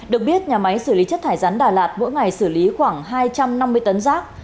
được biết nhà máy xử lý chất thải rắn đà lạt mỗi ngày xử lý khoảng hai trăm năm mươi tấn rác